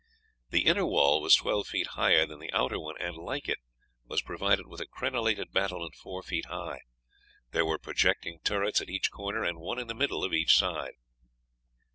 The inner wall was twelve feet higher than the outer one, and, like it, was provided with a crenellated battlement four feet high; there were projecting turrets at each corner, and one in the middle of each side.